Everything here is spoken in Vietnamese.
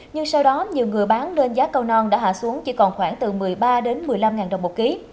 nhưng sau đó nhiều người bán nên giá cao non đã hạ xuống chỉ còn khoảng từ một mươi ba đến một mươi năm đồng một ký